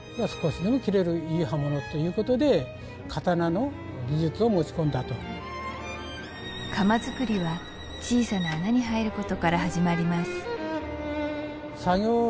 少しでも切れるいい刃物ということで刀の技術を持ち込んだと鎌作りは小さな穴に入ることから始まります